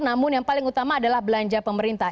namun yang paling utama adalah belanja pemerintah